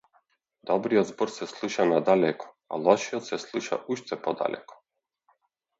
Добриот збор се слуша надалеку, а лошиот се слуша уште подалеку.